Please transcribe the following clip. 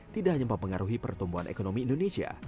tidak hanya mempengaruhi pertumbuhan ekonomi indonesia